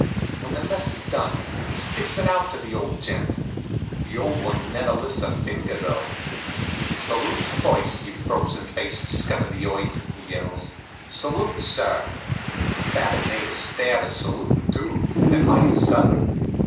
When the mess is done he sticks it out to the old gent. The old one never lifts a finger, though. "Salute, first, you frozen faced scum of the earth!" he yells. "Salute, sir!" Babbitt made a stab at salutin' too, and mighty sudden.